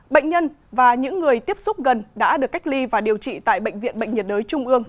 bệnh nhân và những người tiếp xúc gần đã được cách ly và điều trị tại bệnh viện bệnh nhiệt đới trung ương